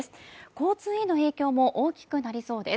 交通への影響も大きくなりそうです。